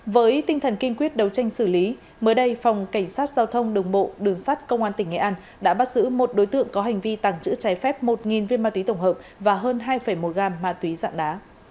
với tinh thần kinh quyết đấu tranh xử lý mới đây phòng cảnh sát giao thông đường bộ đường sát công an tỉnh nghệ an đã bắt giữ một đối tượng có hành vi tàng trữ trái phép một viên ma túy tổng hợp và hơn hai một gam ma túy dạng đá